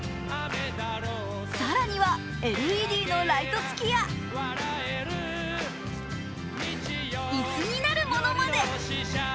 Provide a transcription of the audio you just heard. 更にはＬＥＤのライト付きや椅子になるものまで。